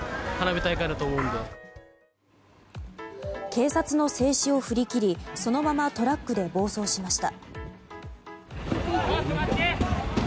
警察の制止を振り切りそのままトラックで暴走しました。